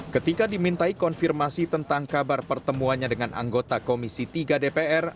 ketika dimintai konfirmasi tentang kabar pertemuannya dengan anggota komisi tiga dpr